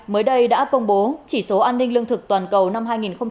mới đây đã công bố chỉ số an ninh lương thực toàn cầu năm hai nghìn một mươi chín